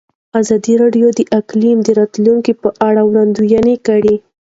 ازادي راډیو د اقلیم د راتلونکې په اړه وړاندوینې کړې.